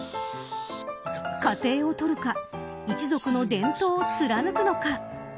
家庭をとるか一族の伝統を貫くのか。